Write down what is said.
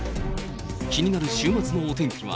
気になる週末のお天気は。